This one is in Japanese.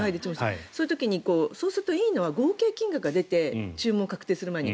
そういう時にそうするといいのは合計金額が出て注文が確定する前に。